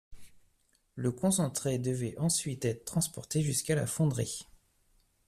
Le concentré devait ensuite être transporté jusqu'à la fonderie.